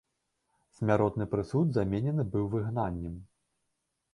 Смяротны прысуд заменены быў выгнаннем.